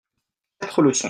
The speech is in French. Quatre leçons.